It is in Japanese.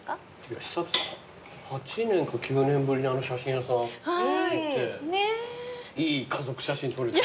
久々８年か９年ぶりにあの写真屋さん行っていい家族写真撮れて。